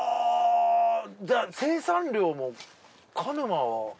じゃあ生産量も鹿沼は。